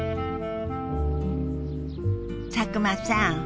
佐久間さん